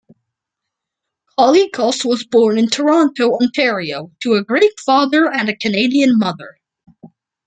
Colicos was born in Toronto, Ontario, to a Greek father and a Canadian mother.